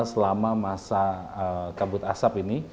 selama masa kabut asap ini